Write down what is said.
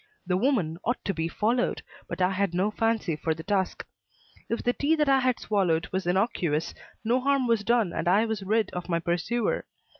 The woman ought to be followed, but I had no fancy for the task. If the tea that I had swallowed was innocuous, no harm was done and I was rid of my pursuer.